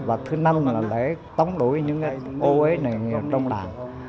và thứ năm là lễ tống đuổi những ô ế này trong đảng